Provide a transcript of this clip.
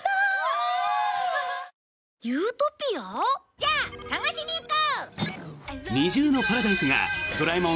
じゃあ探しに行こう！